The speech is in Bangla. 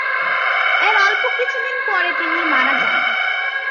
এর অল্প কিছুদিন পরে তিনি মারা যান।